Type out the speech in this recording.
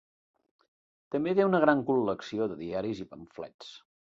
També té una gran col·lecció de diaris i pamflets.